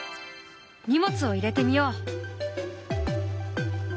荷物を入れてみよう。